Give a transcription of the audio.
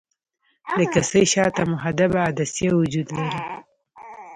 د کسي شاته محدبه عدسیه وجود لري.